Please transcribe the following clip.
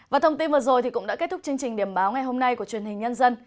và thông tin vừa rồi cũng đã kết thúc chương trình điểm báo ngày hôm nay của truyền hình nhân dân